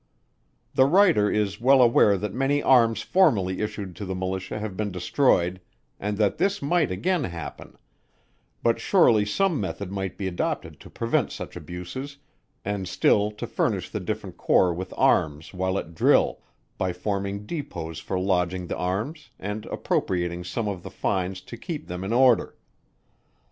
The writer is well aware that many arms formerly issued to the Militia have been destroyed, and that this might again happen; but surely some method might be adopted to prevent such abuses, and still to furnish the different corps with arms while at drill, by forming depots for lodging the arms, and appropriating some of the fines to keep them in order.